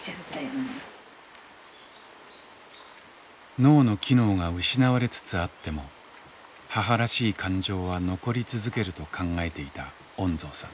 脳の機能が失われつつあっても母らしい感情は残り続けると考えていた恩蔵さん。